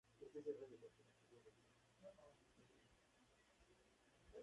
Los ácidos grasos son componentes de lípidos de reserva y lípidos de membrana.